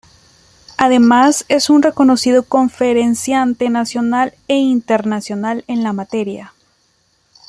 Además es un reconocido conferenciante nacional e internacional en la materia.